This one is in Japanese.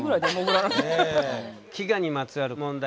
飢餓にまつわる問題